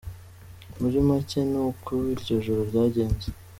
Muri make ni uko iryo joro ryagenze.